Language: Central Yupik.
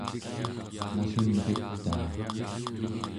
nallunritaa